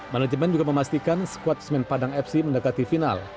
manajemen juga memastikan skuad semen padang fc mendekati final